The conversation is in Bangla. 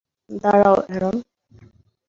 দাঁড়াও, অ্যারন।